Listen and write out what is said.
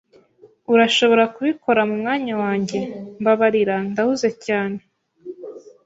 "Urashobora kubikora mu mwanya wanjye?" "Mbabarira, ndahuze cyane."